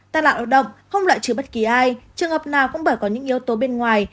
tài nạn lao động không loại trừ bất kỳ ai trường hợp nào cũng bởi có những yếu tố bên ngoài